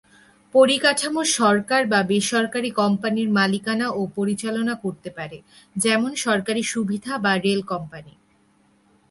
পরিকাঠামো সরকার বা বেসরকারি কোম্পানি মালিকানা ও পরিচালনা করতে পারে, যেমন সরকারি সুবিধা বা রেল কোম্পানি।